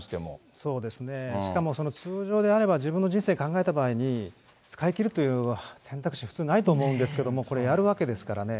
しかも通常であれば、自分の人生考えた場合に、使い切るという選択肢、普通ないと思うんですけど、これ、やるわけですからね。